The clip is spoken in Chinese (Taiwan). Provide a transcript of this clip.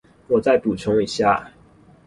我再補充一下